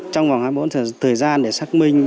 trong vòng hai mươi bốn thời gian để xác minh